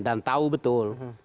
dan tahu betul